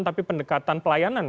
tapi pendekatan pelayanan